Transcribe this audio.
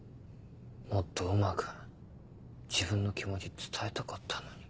もっとうまく自分の気持ち伝えたかったのに。